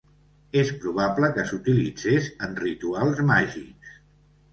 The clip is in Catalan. És probable que s'utilitzés en rituals màgics.